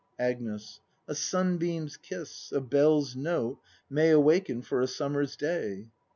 Agnes. A sunbeam's kiss, a bell's note, may Awaken for a summer's day.